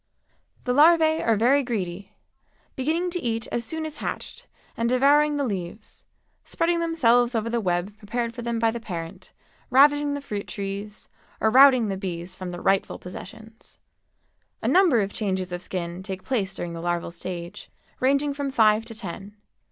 The larvæ are very greedy, beginning to eat as soon as hatched and devouring the leaves, spreading themselves over the web prepared for them by the parent, ravaging the fruit trees, or routing the bees from their rightful possessions. A number of changes of skin take place during the larval stage, ranging from five to ten.